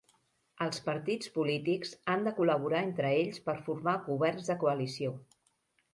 Els partits polítics han de col·laborar entre ells per formar governs de coalició.